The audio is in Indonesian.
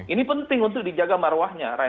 ini penting untuk dijaga maruahnya raina